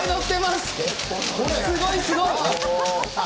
すごい、すごい！